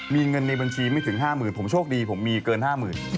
มีเงินในบัญชีไม่ถึงห้าหมื่นผมโชคดีผมมีเกินห้าหมื่น